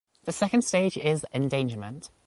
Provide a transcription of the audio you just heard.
The second stage is "endangerment".